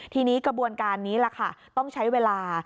ทีนี้กระบวนการนี้ล่ะค่ะต้องใช้เวลา